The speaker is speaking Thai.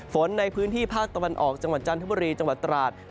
ฝนในพื้นที่ภาคตะวันออกจังหวัดจันทบุรีจังหวัดตราด